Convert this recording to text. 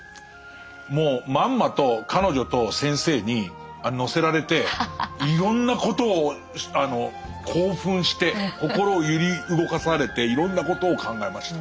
もうまんまと彼女と先生に乗せられていろんなことを興奮して心を揺り動かされていろんなことを考えました。